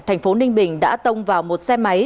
thành phố ninh bình đã tông vào một xe máy